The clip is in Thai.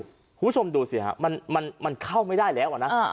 คุณผู้ชมดูสิฮะมันมันเข้าไม่ได้แล้วอ่ะนะอ่า